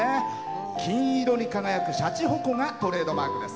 金色に輝くしゃちほこがトレードマークです。